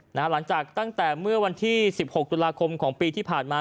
หลังจากตั้งแต่เมื่อวันที่๑๖ตุลาคมของปีที่ผ่านมา